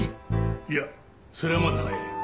いやそれはまだ早い。